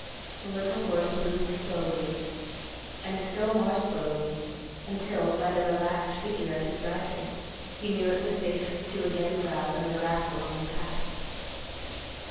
The little horse moved slowly, and still more slowly, until, by the relaxed figure of his rider, he knew it was safe to again browse on the grass along the path.